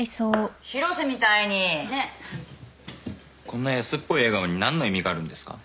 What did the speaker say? こんな安っぽい笑顔に何の意味があるんですか？